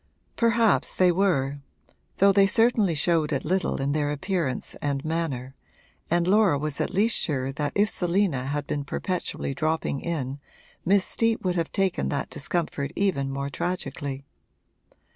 Perhaps they were, though they certainly showed it little in their appearance and manner, and Laura was at least sure that if Selina had been perpetually dropping in Miss Steet would have taken that discomfort even more tragically.